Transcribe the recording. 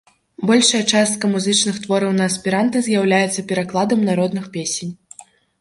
Большая частка музычных твораў на эсперанта з'яўляюцца перакладам народных песень.